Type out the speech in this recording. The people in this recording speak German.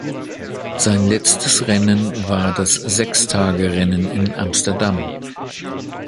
Sein letztes Rennen war das Sechstagerennen in Amsterdam.